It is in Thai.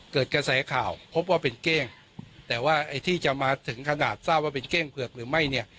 เกิดกระแสข่าวพบว่าเป็นเก้งแต่ว่าไอ้ที่จะมาถึงขนาดทราบว่าเป็นเก้งเผือกหรือไม่เนี่ย